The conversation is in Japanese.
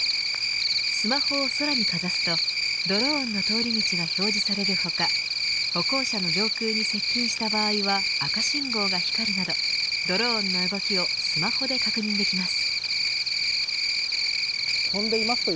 スマホを空にかざすとドローンの通り道が表示される他歩行者の上空に接近した場合には赤信号が光るなどドローンの動きをスマホで確認できます。